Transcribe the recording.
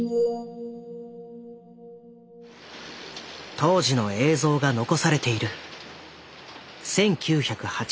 当時の映像が残されている。